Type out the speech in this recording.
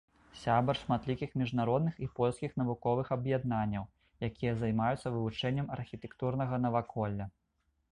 Сябар шматлікіх міжнародных і польскіх навуковых аб'яднанняў, якія займаюцца вывучэннем архітэктурнага наваколля.